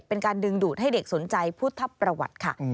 เป็นการดึงดูดให้เด็กสนใจพุทธประวัติค่ะ